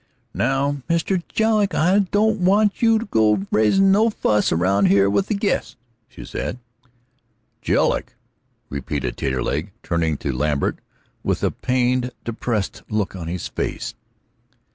"Now, Mr. Jedlick, I don't want you to go raisin' no fuss around here with the guests," she said. "Jedlick!" repeated Taterleg, turning to Lambert with a pained, depressed look on his face.